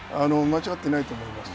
間違ってないと思います。